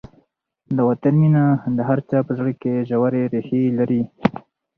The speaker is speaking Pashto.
د وطن مینه د هر چا په زړه کې ژورې ریښې لري.